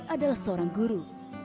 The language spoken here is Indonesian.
adalah seorang guru